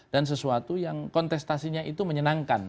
sesuatu yang kontestasinya itu menyenangkan